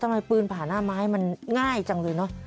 ทำไมปืนผาหน้าม้ายง่ายจังเลยนะ